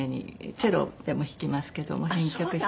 チェロでも弾きますけども編曲して。